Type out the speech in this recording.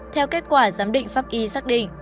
theo kết quả giám định pháp y xác định